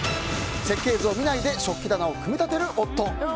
設計図を見ないで食器棚を組み立てる夫。